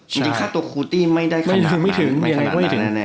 จริงค่าตัวคูตี้ไม่ได้ขนาดนั้นไม่ถึงยังไงก็ไม่ถึง